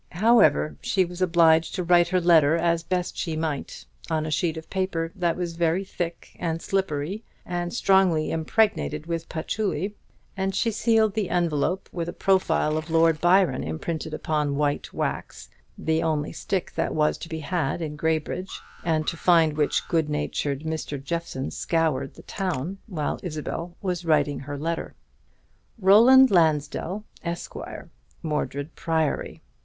However, she was obliged to write her letter as best she might, on a sheet of paper that was very thick and slippery, and strongly impregnated with patchouli; and she sealed the envelope with a profile of Lord Byron imprinted upon white wax, the only stick that was to be had in Graybridge, and to find which good natured Mr. Jeffson scoured the town, while Isabel was writing her letter. Roland Lansdell, Esqre., _Mordred Priory.